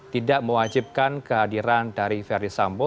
tidak mewajibkan kehadiran dari verdi sambo